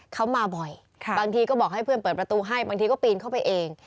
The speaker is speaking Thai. เขามาบ่อยบางทีก็บอกให้เพื่อนเปิดประตูให้บางทีก็ปีนเข้าไปเอง